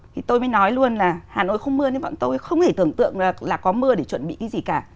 thì tôi mới nói luôn là hà nội không mưa nên bọn tôi không hề tưởng tượng là có mưa để chuẩn bị cái gì cả